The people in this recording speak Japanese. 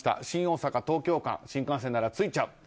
新大阪東京間新幹線なら着いちゃう。